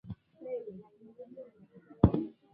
Ngamia huathiriwa na ugonjwa wa majipu